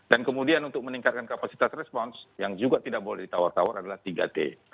dan kemudian untuk meningkatkan kapasitas respons yang juga tidak boleh ditawar tawar adalah tiga t